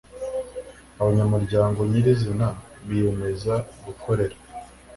Abanyamunyango nyiri izina biyemeza gukorera